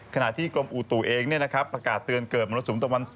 ขณะที่กลมอูตุเองเนี้ยนะครับประกาศเตือนเกิดมาสุมต่างวัน